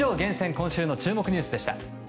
今週の注目ニュースでした。